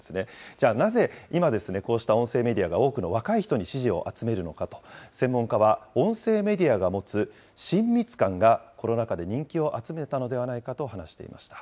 じゃあなぜ、今、こうした音声メディアが多くの若い人に支持を集めるのかと、専門家は音声メディアが持つ親密感がコロナ禍で人気を集めたのではないかと話していました。